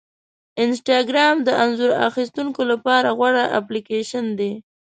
انسټاګرام د انځور ایستونکو لپاره غوره اپلیکیشن دی.